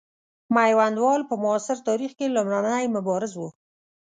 میوندوال په معاصر تاریخ کې لومړنی مبارز وو.